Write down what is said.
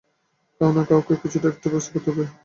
কাউকে না কাউকে কিছু একটা ব্যবস্থা করতে হবে।